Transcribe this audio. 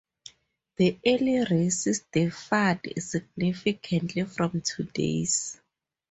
The early races differed significantly from today's.